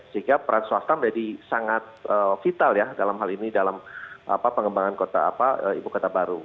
sehingga peran swasta menjadi sangat vital ya dalam hal ini dalam pengembangan ibu kota baru